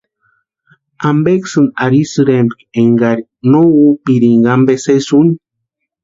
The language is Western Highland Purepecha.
¿Ampeksï arhisïrempki énkari no úpirinka ampe sési úni?